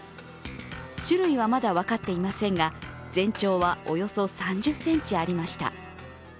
種類はまだ分かっていませんが、全長はおよそ３０ｃｍありました。